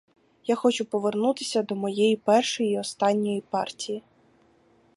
Я хочу повернутися до моєї першої й останньої партії.